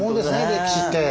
歴史って。